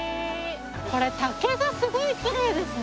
これ竹がすごいきれいですね。